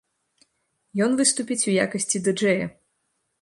Ён выступіць у якасці ды-джэя.